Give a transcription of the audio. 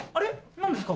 何ですか？